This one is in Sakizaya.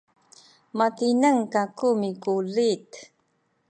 matineng kaku mikulit